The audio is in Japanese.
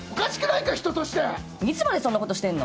いつまでそんなことしてんの！